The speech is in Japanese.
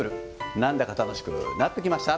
なんだか楽しくなってきました。